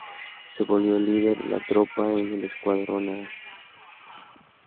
Se volvió líder la tropa en el escuadrón "A".